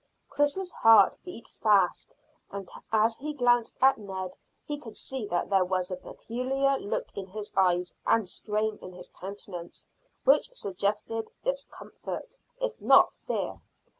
Chris's heart beat fast, and as he glanced at Ned he could see that there was a peculiar look in his eyes and strain in his countenance which suggested discomfort, if not fear.